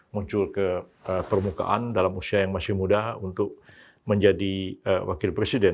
muncul ke permukaan dalam usia yang masih muda untuk menjadi wakil presiden